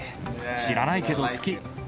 知らないけど好き。